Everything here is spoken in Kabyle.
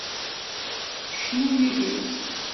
Cnu yid-s.